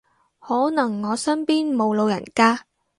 可能我身邊冇老人家